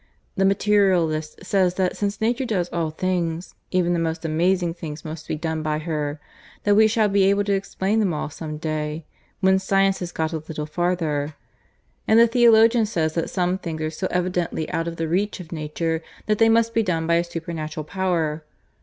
The materialist says that since Nature does all things, even the most amazing things must be done by her that we shall be able to explain them all some day, when Science has got a little farther. And the theologian says that some things are so evidently out of the reach of Nature that they must be done by a supernatural power.